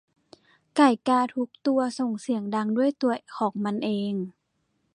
ไก่กาทุกตัวส่งเสียงดังด้วยตัวของมันเอง